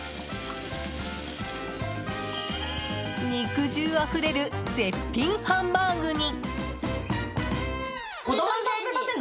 肉汁あふれる絶品ハンバーグに。